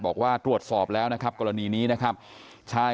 บอกว่าตรวจสอบแล้วนะครับกรณีนี้นะครับชาย